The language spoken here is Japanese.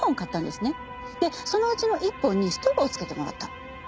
でそのうちの１本にストローをつけてもらった。